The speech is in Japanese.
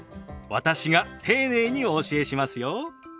私が丁寧にお教えしますよ。